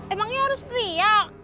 emangnya harus teriak